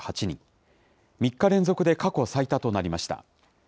３日連続で過去最多となりました。